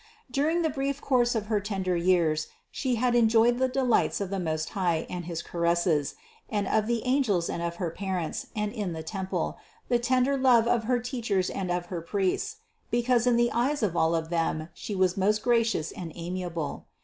During the brief course of her tender years She had enjoyed the delights of the Most High and his caresses, and of the angels and of her parents, and in the temple, the tender love of her teachers and of the priests, because in the eyes of all of them She was most gracious and amiable.